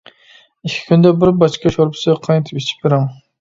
ئىككى كۈندە بىر باچكا شورپىسى قاينىتىپ ئىچىپ بېرىڭ!